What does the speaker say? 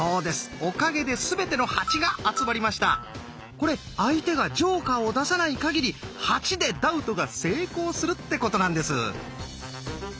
これ相手がジョーカーを出さないかぎり「８」で「ダウト」が成功するってことなんです。